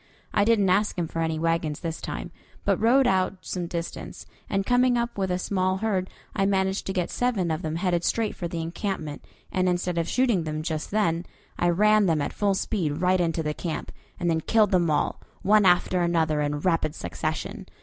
I didn't ask him for any wagons this time, but rode out some distance, and coming up with a small herd I managed to get seven of them headed straight for the encampment, and instead of shooting them just then, I ran them at full speed right into the camp, and then killed them all, one after another, in rapid succession.